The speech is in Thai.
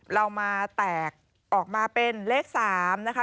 เรามาแตกออกมาเป็นเลข๓นะคะ